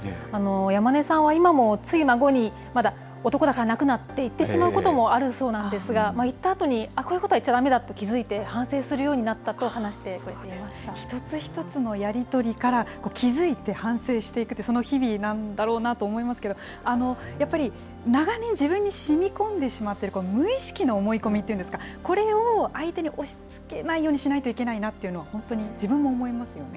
山根さんは今も、つい孫にまだ、男だから泣くなって言ってしまうこともあるそうなんですが、言ったあとに、こういうことは言っちゃだめだと気付いて反省するよう一つ一つのやり取りから気付いて、反省していくって、その日々なんだろうなと思いますけれども、やっぱり長年、自分にしみこんでしまっている無意識の思い込みっていうんですか、これを相手に押しつけないようにしないといけないなっていうのは本当に自分も思いますよね。